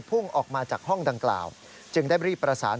พุ่งออกมาจากห้องดังกล่าวจึงได้รีบประสาน